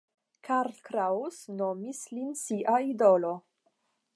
Karl Kraus nomis lin sia idolo.